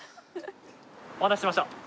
お待たせしました。